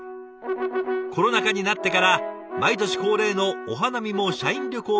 コロナ禍になってから毎年恒例のお花見も社員旅行も全て中止。